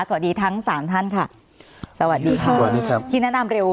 สวัสดีทั้งสามท่านค่ะสวัสดีค่ะสวัสดีครับที่แนะนำเร็ว